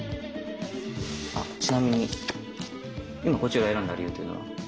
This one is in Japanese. ちなみに今こちら選んだ理由というのは？